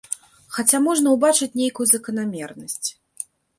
Хаця можна ўбачыць нейкую заканамернасць.